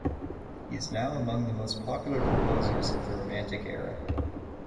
He is now among the most popular composers of the Romantic era.